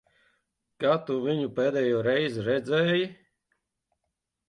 Kad tu viņu pēdējoreiz redzēji?